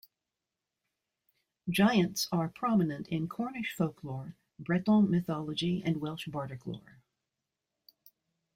Giants are prominent in Cornish folklore, Breton mythology and Welsh Bardic lore.